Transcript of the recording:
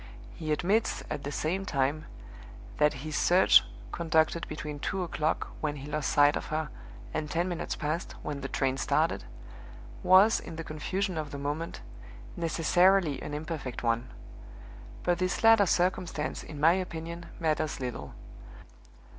He admits, at the same time, that his search (conducted between two o'clock, when he lost sight of her, and ten minutes past, when the train started) was, in the confusion of the moment, necessarily an imperfect one. But this latter circumstance, in my opinion, matters little.